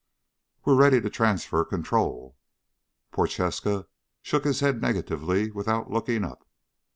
"We're ready to transfer control." Prochaska shook his head negatively without looking up.